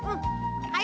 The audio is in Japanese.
はい